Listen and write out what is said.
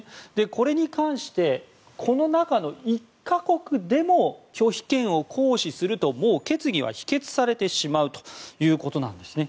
これに関してこの中の１か国でも拒否権を行使すると決議は否決されてしまうということなんです。